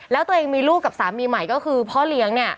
แล้วตัวเองมีลูกกับสามีใหม่ก็คือพ่อเลี้ยงเนี่ย